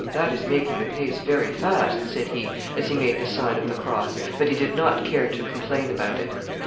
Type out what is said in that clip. "That is making the pace very fast," said he, as he made the sign of the cross; but he did not care to complain about it.